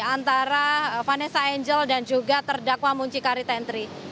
antara vanessa angel dan juga terdakwa muncikari tentri